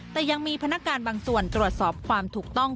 แต่ยังมีพนักการบางส่วนตรวจสอบความถูกต้อง